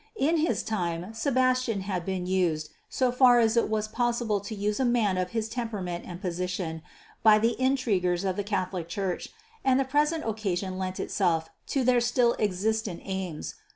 In his time Sebastian had been used, so far as it was possible to use a man of his temperament and position, by the intriguers of the Catholic Church, and the present occasion lent itself to their still existent aims.